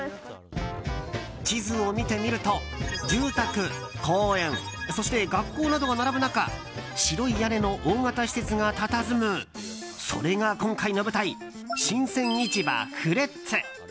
地図を見てみると住宅、公園そして学校などが並ぶ中白い屋根の大型施設が佇むそれが今回の舞台新鮮市場フレッツ。